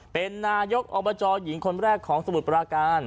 เป็นนายกอบจหญิงคนแรกของสมุทรปราการ